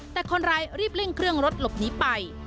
แต่คนร้ายรีบเร่งเครื่องรถหลบหนีไป